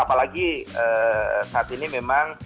apalagi saat ini memang